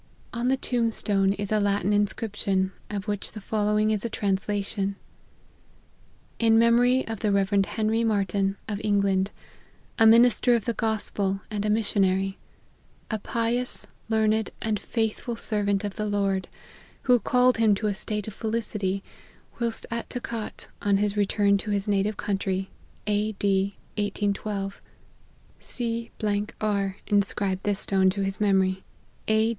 On the tombstone is a Latin inscription, of which the fol lowing is a translation : IN MEMORY OF THE REV. HENRY* MARTYN, OF ENGLAND, A MINISTER OF THE GOSPEL, AND A MISSIONARY ; A PIOUS, LEARNED, AND FAITHFUL SERVANT OF THE LORD, WHO CALLED HIM TO A STATE OF FELICITY, WHILST AT TOCAT, ON HIS RETURN TO HIS NATIVE COUNTRY, A. D. 1812. C. J. R. INSCRIBED THIS STONE TO HIS MEMORY, A.